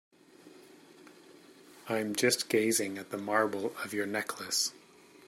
I'm just gazing at the marble of your necklace.